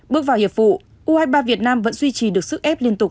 bước vào hiệp vụ u hai mươi ba việt nam vẫn duy trì được sức ép liên tục